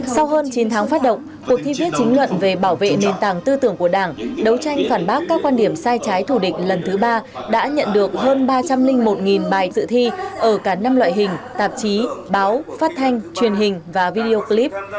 sau hơn chín tháng phát động cuộc thi viết chính luận về bảo vệ nền tảng tư tưởng của đảng đấu tranh phản bác các quan điểm sai trái thủ địch lần thứ ba đã nhận được hơn ba trăm linh một bài dự thi ở cả năm loại hình tạp chí báo phát thanh truyền hình và video clip